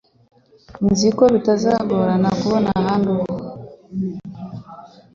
Nzi neza ko bitazagorana kubona ahandi uba